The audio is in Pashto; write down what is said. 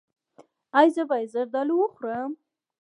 ایا زه باید زردالو وخورم؟